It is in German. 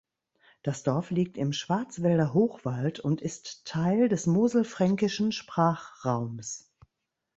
Das Dorf liegt im Schwarzwälder Hochwald und ist Teil des moselfränkischen Sprachraums.